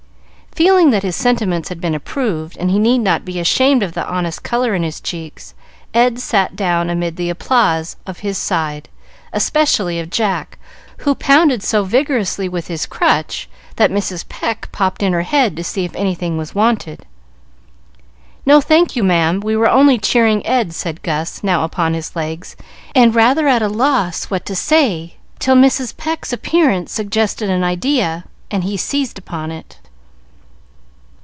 Feeling that his sentiments had been approved, and he need not be ashamed of the honest color in his cheeks, Ed sat down amid the applause of his side, especially of Jack, who pounded so vigorously with his crutch that Mrs. Pecq popped in her head to see if anything was wanted. "No, thank you, ma'am, we were only cheering Ed," said Gus, now upon his legs, and rather at a loss what to say till Mrs. Pecq's appearance suggested an idea, and he seized upon it.